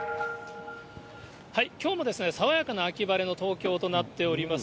きょうもさわやかな秋晴れの東京となっております。